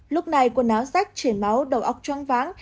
lúc này quần áo rách chảy máu đầu óc choáng váng